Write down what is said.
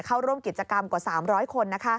เข้าร่วมกิจกรรมกว่า๓๐๐คน